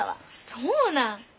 そうなん？